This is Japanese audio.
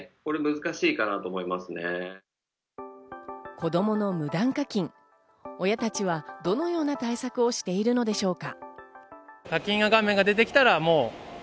子供の無断課金、親たちはどのような対策をしているのでしょうか。